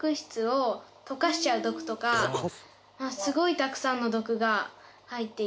すごいたくさんの毒が入っていて。